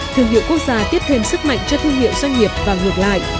thương hiệu quốc gia tiếp thêm sức mạnh cho thương hiệu doanh nghiệp và ngược lại